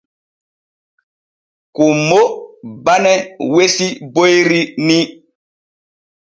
Kummo bane wesi boyri ni.